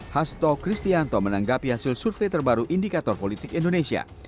hasto kristianto menanggapi hasil survei terbaru indikator politik indonesia